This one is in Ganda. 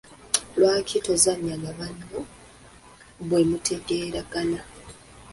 Lwaki tozannya na banno bwe mutegeeragana?